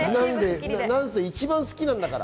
なんせ一番好きなんだから。